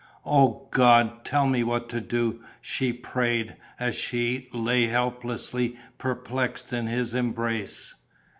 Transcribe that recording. "O God, tell me what to do!" she prayed, as she, lay hopelessly perplexed in his embrace.